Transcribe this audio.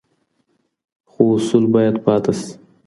خو اصول بايد پاته سي.